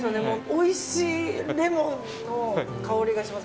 おいしいレモンの香りがします。